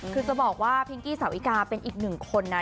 คือจะบอกว่าพิงกี้สาวิกาเป็นอีกหนึ่งคนนะ